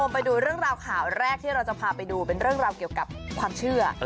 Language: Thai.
ไปดูเรื่องราวข่าวแรกที่เราจะพาไปดูเป็นเรื่องราวเกี่ยวกับความเชื่อ